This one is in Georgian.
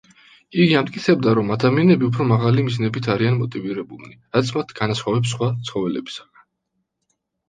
იგი ამტკიცებდა, რომ ადამიანები უფრო მაღალი მიზნებით არიან მოტივირებულნი, რაც მათ განასხვავებს სხვა ცხოველებისგან.